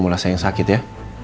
mula saya yang sakit ya